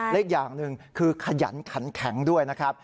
อีกอย่างหนึ่งคือขยันขันแข็งด้วยนะครับ